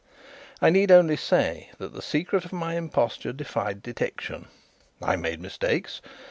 I need only say that the secret of my imposture defied detection. I made mistakes.